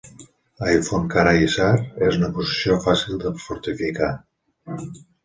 Afyonkarahisar és una posició fàcil de fortificar.